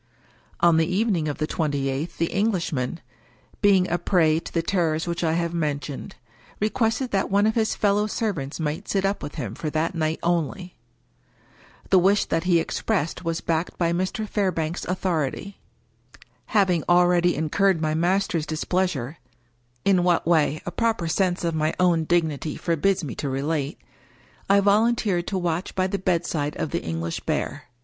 On the evening of the twenty eighth the Englishman, being a prey to the terrors which I have mentioned, re quested that one of his fellow servants might sit up with him for that night only. The wish that he expressed was backed by Mr. Fairbank's authority. Having already in curred my master's displeasure — in what way, a proper sense of my own dignity forbids me to relate — I volun teered to watch by the bedside of the English Bear.